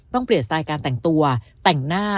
เปลี่ยนสไตล์การแต่งตัวแต่งหน้า